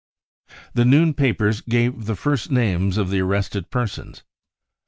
The noon papers gave the first names of the arrested persons.